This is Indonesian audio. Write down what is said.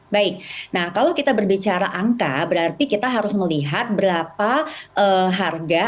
baik nah kalau kita berbicara angka berarti kita harus melihat berapa harga